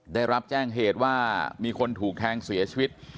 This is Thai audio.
ได้รับแจ้งเหตุว่ามีคนถูกแทงเสียชีวิต